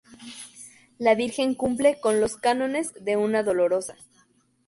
La virgen cumple con los cánones de una dolorosa.